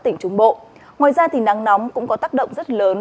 ngoài ra thì nắng nóng cũng có tác động rất lớn